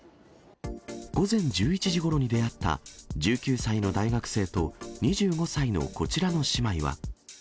午前１１時ごろに出会った、１９歳の大学生と２５歳のこちらの姉妹は。